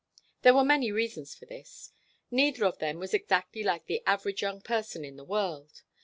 There were many reasons for this. Neither of them was exactly like the average young person in the world.